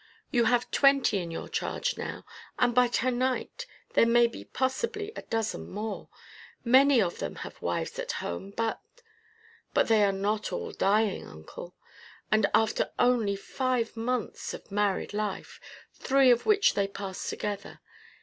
You have twenty in your charge now, and by to night there may be possibly a dozen more. Many of them have wives at home, but " "But all are not dying, Uncle and after only five months of married life, three of which they passed together.